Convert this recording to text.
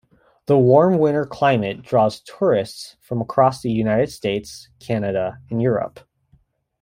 The warm winter climate draws tourists from across the United States, Canada, and Europe.